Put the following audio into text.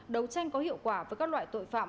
đấu tranh có hiệu quả với các loại tội phạm